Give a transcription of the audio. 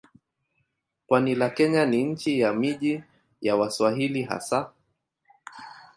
Pwani la Kenya ni nchi ya miji ya Waswahili hasa.